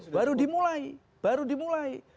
baru dimulai baru dimulai